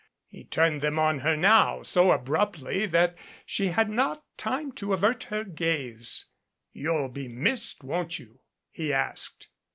He turned them on her now so abruptly that she had not time to avert her gaze. "You'll be missed, won't you?" he asked.